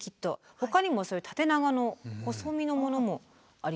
ほかにもそういう縦長の細身のものもあります。